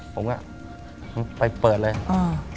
ผมก็ไปเปิดเลย